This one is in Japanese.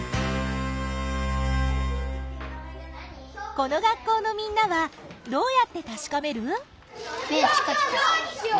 この学校のみんなはどうやってたしかめる？